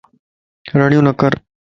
رڙيون نه ڪر